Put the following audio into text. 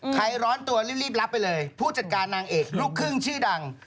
ร้อนตัวรีบรับไปเลยผู้จัดการนางเอกลูกครึ่งชื่อดัง